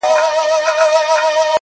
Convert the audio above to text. د کراري مو شېبې نه دي لیدلي-